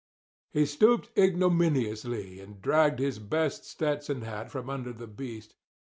He stooped ignominiously and dragged his best Stetson hat from under the beast.